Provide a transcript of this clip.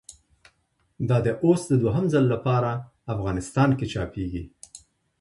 دا دی اوس د دوهم ځل له پاره افغانستان کښي چاپېږي.